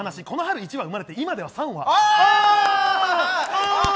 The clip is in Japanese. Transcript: この春１羽生まれて今では３羽。